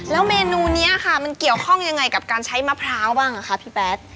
แล้วเมนูนี้ค่ะมันเกี่ยวข้องยังไงกับการใช้มะพร้าวบ้างคะพี่แพทย์